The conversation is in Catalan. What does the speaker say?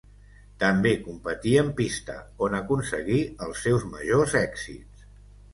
També competí en pista, on aconseguí els seus majors èxits.